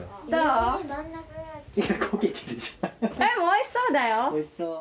おいしそうだよ！